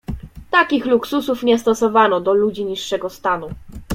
"Takich luksusów nie stosowano do ludzi z niższego stanu."